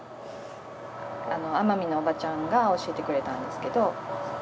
あの奄美のおばちゃんが教えてくれたんですけど。